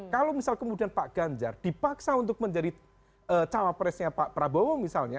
kalau misal kemudian pak ganjar dipaksa untuk menjadi cawapresnya pak prabowo misalnya